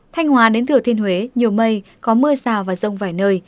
thanh hòa đến thừa thiên huế nhiều mây có mưa rào và rông vài nơi